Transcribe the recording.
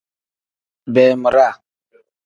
Beemiraa.